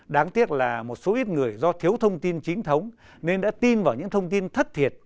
đáng tiếc là một số ít người do thiếu thông tin chính thống nên đã tin vào những thông tin thất thiệt